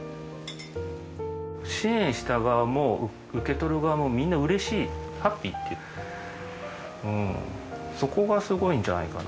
支援した側も受け取る側もみんな嬉しいハッピーっていうそこがすごいんじゃないかなって。